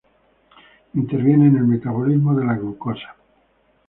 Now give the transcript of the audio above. Interviene en el metabolismo de la glucosa.